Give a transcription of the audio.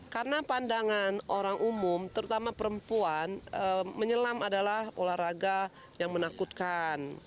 karena pandangan orang umum terutama perempuan menyelam adalah olahraga yang menakutkan